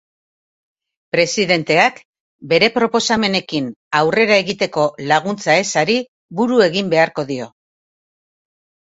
Presidenteak bere proposamenekin aurrera egiteko laguntza ezari buru egin beharko dio.